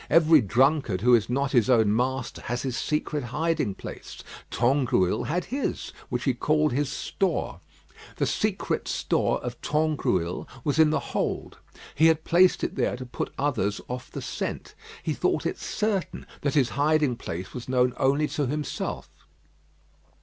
Every drunkard who is not his own master has his secret hiding place. Tangrouille had his, which he called his store. The secret store of Tangrouille was in the hold. He had placed it there to put others off the scent. He thought it certain that his hiding place was known only to himself.